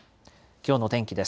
きょうの天気です。